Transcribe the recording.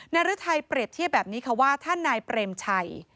ฤทัยเปรียบเทียบแบบนี้ค่ะว่าถ้านายเปรมชัย